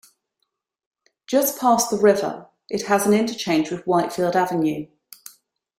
Just past the river, it has an interchange with Whitefield Avenue.